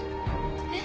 えっ？